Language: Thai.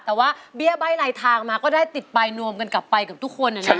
แต่ว่าเบี้ยใบ้ลายทางมาก็ได้ติดไปนวมกันกลับไปกับทุกคนนะครับ